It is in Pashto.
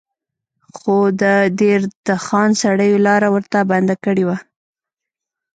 خو د دیر د خان سړیو لاره ورته بنده کړې وه.